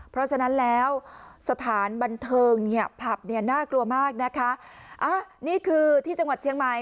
เพราะฉะนั้นแล้วสถานบันเทิงเนี่ยผับเนี่ยน่ากลัวมากนะคะอ่ะนี่คือที่จังหวัดเชียงใหม่